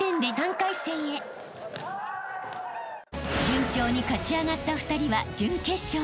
［順調に勝ち上がった２人は準決勝へ］